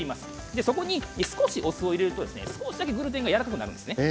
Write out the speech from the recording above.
そこに少しお酢を入れると少しだけでグルテンが柔らかくなるんですね。